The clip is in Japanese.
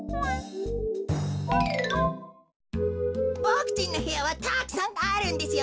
ボクちんのへやはたくさんあるんですよね。